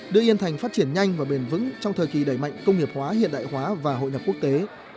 đưa yên thành phát triển nhanh và bền vững trong thời kỳ đẩy mạnh công nghiệp hóa hiện đại hóa và hội nhập quốc tế